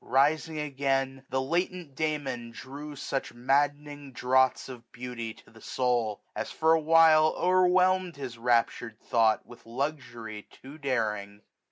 Rising again, the latent Damon drew 1330 Such madning draughts of beauty to the soul. As for a while o'erwhelm'd his raptur'd thought With luxury too daring.